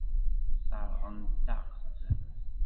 Sseṛɣent-aɣ-t.